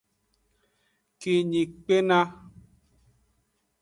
Kinyi kpena.